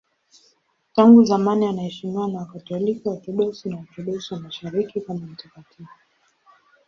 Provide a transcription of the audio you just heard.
Tangu zamani anaheshimiwa na Wakatoliki, Waorthodoksi na Waorthodoksi wa Mashariki kama mtakatifu.